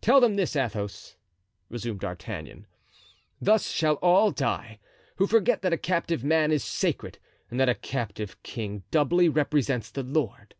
"Tell them this, Athos," resumed D'Artagnan; "thus shall all die who forget that a captive man is sacred and that a captive king doubly represents the Lord."